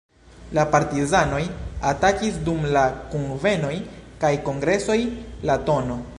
La "Partizanoj" atakis dum la kunvenoj kaj kongresoj la tn.